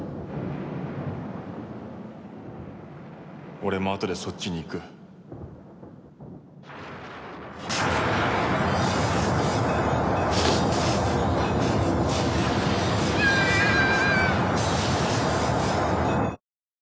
俺もあとでそっちに行く。キャーッ！